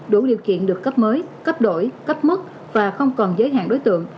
đủ điều kiện được cấp mới cấp đổi cấp mức và không còn giới hạn đối tượng